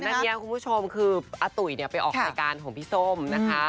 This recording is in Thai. อันนี้คุณผู้ชมคืออาตุ๋ยไปออกรายการของพี่ส้มนะคะ